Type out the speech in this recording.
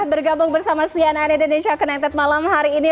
sudah bergabung bersama sian and indonesia connected malam hari ini